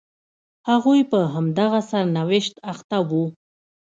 هغوی په همدغه سرنوشت اخته وو.